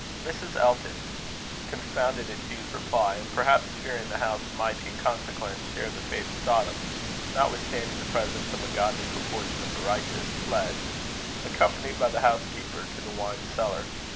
Mrs. Elton, confounded at Hugh's reply, and perhaps fearing the house might in consequence share the fate of Sodom, notwithstanding the presence of a goodly proportion of the righteous, fled, accompanied by the housekeeper, to the wine cellar.